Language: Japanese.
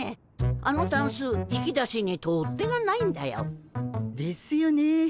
あのタンス引き出しに取っ手がないんだよ。ですよねえ。